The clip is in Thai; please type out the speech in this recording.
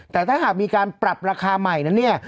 แต่ถ้าหากมีการปรับราคาใหม่นั้นเนี่ย